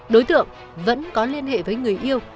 đối tượng vẫn có liên hệ với người yêu